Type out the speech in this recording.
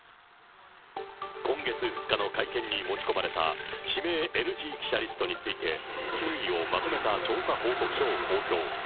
今月２日の会見に持ち込まれた指名ＮＧ記者リストについて、経緯をまとめた調査報告書を公表。